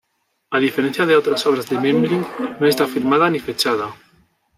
A diferencia de otras obras de Memling, no está firmada ni fechada.